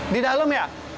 di dalam ya